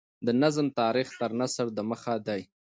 د نظم تاریخ تر نثر دمخه دﺉ.